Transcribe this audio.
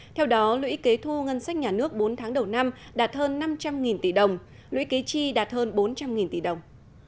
theo đó lũy kế thu ngân sách nhà nước bốn tháng đầu năm đạt hơn năm trăm linh tỷ đồng lũy kế chi đạt hơn bốn trăm linh tỷ đồng